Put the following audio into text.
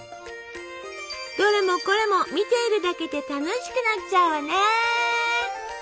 どれもこれも見ているだけで楽しくなっちゃうわね！